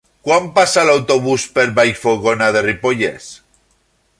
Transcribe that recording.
Quan passa l'autobús per Vallfogona de Ripollès?